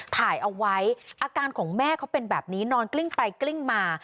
ถ่ายเอาไว้อาการของแม่เขาเป็นแบบนี้นอนกลิ้งไปกลิ้งมา